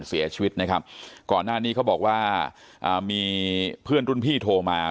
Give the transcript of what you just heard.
เสียชีวิตนะครับก่อนหน้านี้เขาบอกว่าอ่ามีเพื่อนรุ่นพี่โทรมา